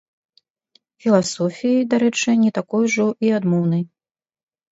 Філасофіі, дарэчы, не такой ужо і адмоўнай.